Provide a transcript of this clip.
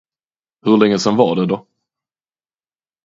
Hur längesedan var det då?